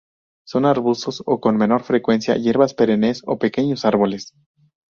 Son arbustos o, con menor frecuencia, hierbas perennes o pequeños árboles.